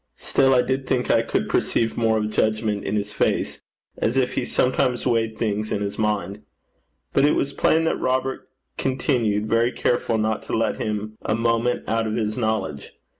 Still I did think I could perceive more of judgment in his face, as if he sometimes weighed things in his mind. But it was plain that Robert continued very careful not to let him a moment out of his knowledge.